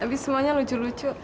habis semuanya lucu lucu